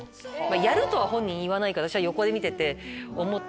やるとは本人言わないから私は横で見てて思って。